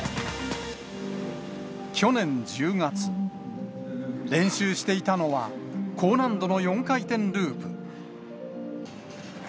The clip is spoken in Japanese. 去年１０月、練習していたのは、高難度の４回転ループ。